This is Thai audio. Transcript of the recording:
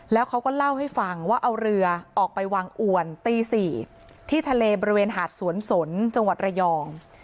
แล้วเขาก็เล่าให้ฟังว่าเอาเรือออกไปวางอวนตี๔ที่ทะเลบริเวณหาดสวนสนจังหวัดระยอง